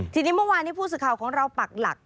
ทีนี้เมื่อวานนี้ผู้สื่อข่าวของเราปักหลัก